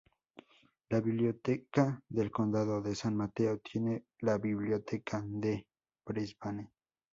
La Biblioteca del Condado de San Mateo tiene la Biblioteca de Brisbane.